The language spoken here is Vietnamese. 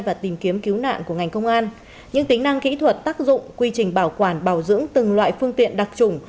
và tìm kiếm cứu nạn của ngành công an